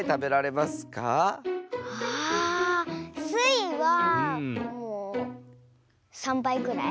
あっスイはもう３ばいぐらい。